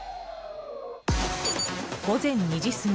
午前２時過ぎ。